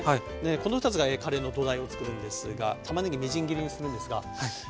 この２つがカレーの土台をつくるんですがたまねぎみじん切りにするんですが。